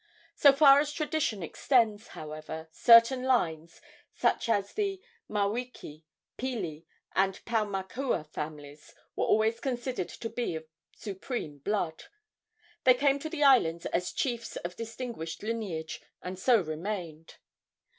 So far as tradition extends, however, certain lines, such as the Maweke, Pili and Paumakua families, were always considered to be of supreme blood. They came to the islands as chiefs of distinguished lineage, and so remained.